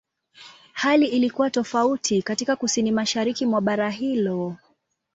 Hali ilikuwa tofauti katika Kusini-Mashariki mwa bara hilo.